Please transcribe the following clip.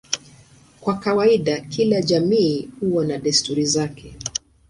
Kwa kawaida kila jamii huwa na desturi zake.